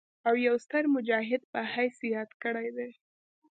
او يو ستر مجاهد پۀ حييث ياد کړي دي